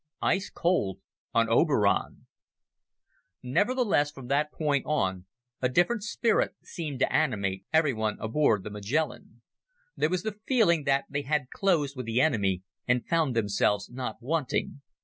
Ice Cold on Oberon Nevertheless, from that point on, a different spirit seemed to animate everyone aboard the Magellan. There was the feeling that they had closed with the enemy and found themselves not wanting.